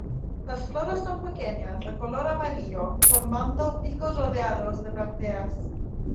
Las flores son pequeñas, de color amarillo, formando picos rodeados de brácteas.